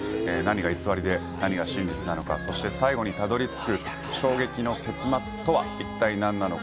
何が偽りで何が真実なのか、そして最後にたどり着く衝撃の結末とは一体何なのか？